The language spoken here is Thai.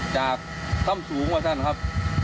จากข้ำสูงมาครับ